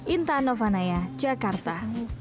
intan novanaya jakarta